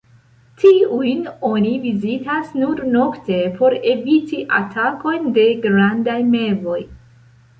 Tiujn oni vizitas nur nokte por eviti atakojn de grandaj mevoj.